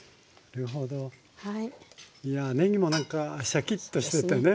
いやねぎもなんかシャキッとしててね。